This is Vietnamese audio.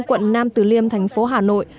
quận nam từ liêm thành phố hà nội